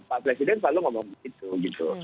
pak presiden selalu ngomong begitu gitu